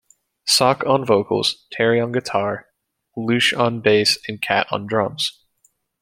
Sok on vocals, Terrie on guitar, Luc on bass and Kat on drums.